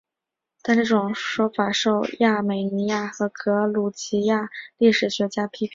但这说法受亚美尼亚和格鲁吉亚历史学家批评为被民族主义的扭曲该区域的历史。